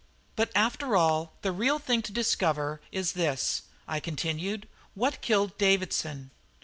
But, after all, the real thing to discover is this," I continued: "what killed Davidson?